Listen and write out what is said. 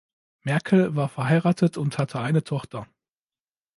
Merkel war verheiratet und hatte eine Tochter.